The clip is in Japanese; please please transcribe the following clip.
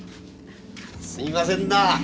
すみませんなあ。